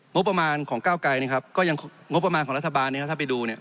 งบประมาณของเก้าไกรงบประมาณของรัฐบาลถ้าไปดู